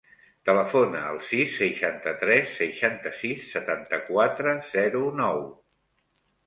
Telefona al sis, seixanta-tres, seixanta-sis, setanta-quatre, zero, nou.